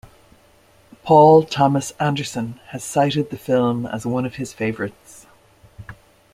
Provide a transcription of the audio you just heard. Paul Thomas Anderson has cited the film as one of his favorites.